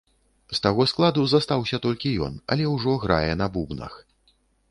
З таго складу застаўся толькі ён, але ўжо грае на бубнах.